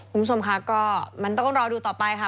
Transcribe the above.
คุณผู้ชมค่ะก็มันต้องรอดูต่อไปค่ะ